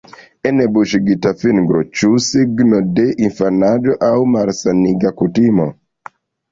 Enbuŝigita fingro – ĉu signo de infanaĝo aŭ malsaniga kutimo?